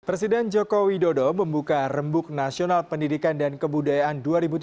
presiden joko widodo membuka rembuk nasional pendidikan dan kebudayaan dua ribu tujuh belas